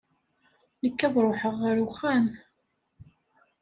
Nekk ad ruḥeɣ ɣer uxxam.